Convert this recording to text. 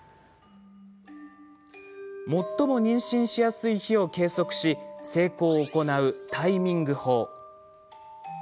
最も妊娠しやすい日を計測し性交を行うタイミング法。